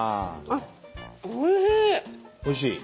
あっおいしい！